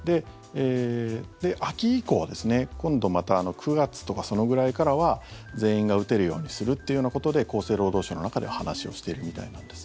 秋以降は今度また９月とかそのぐらいからは全員が打てるようにするっていうようなことで厚生労働省の中で話をしているみたいなんです。